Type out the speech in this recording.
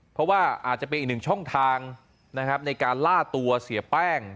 เพราะว่าอาจจะเป็นอีกหนึ่งช่องทางนะครับในการล่าตัวเสียแป้ง